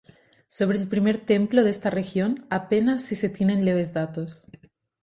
Sobre el primer templo de esta región, apenas si se tienen leves datos.